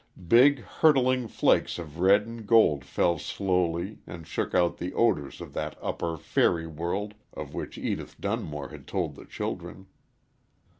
Big, hurtling flakes of red and gold fell slowly and shook out the odors of that upper, fairy world of which Edith Dunmore had told the children.